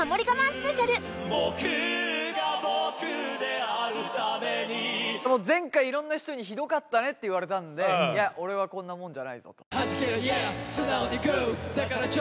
スペシャル僕が僕であるためにもう前回色んな人にひどかったねって言われたんでいや俺はこんなもんじゃないぞはじけりゃＹｅａ！